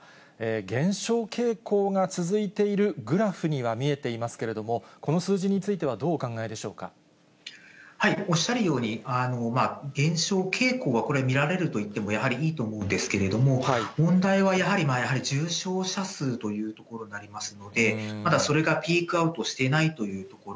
減少傾向が続いているグラフには見えていますけれども、この数字おっしゃるように、減少傾向はこれ、見られると言ってもいいと思うんですけども、問題はやはり、重症者数というところになりますので、まだそれがピークアウトしていないというところ。